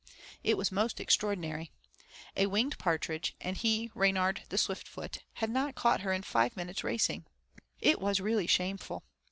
It was most extraordinary. A winged partridge and he, Reynard, the Swift foot, had not caught her in five minutes' racing. It was really shameful.